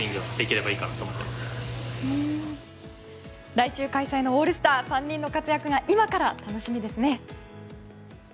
来週開催のオールスター３人の活躍が今から楽しみですね。